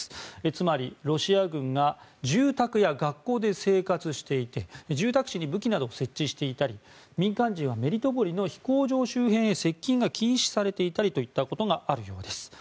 つまり、ロシア軍が住宅や学校で生活していて住宅地に武器などを設置していたり民間人はメリトポリの飛行場周辺への接近が禁止されているといったことがあるようです。